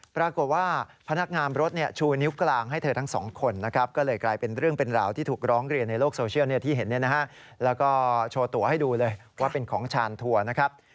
พนักงานรถชูนิ้วกลางให้เธอทั้งสองคนนะครับก็เลยกลายเป็นเรื่องเป็นราวที่ถูกร้องเรียนในโลกโซเชียลที่เห็นแล้วก็โชว์ตัวให้ดูเลยว่าเป็นของชานทัวร์นะครับ